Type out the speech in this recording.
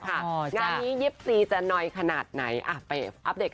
งานนี้ยิบทีจะน้อยขนาดไหนไปอัปเดตกับเธอเลยค่ะ